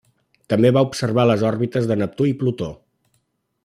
També va observar les òrbites de Neptú i Plutó.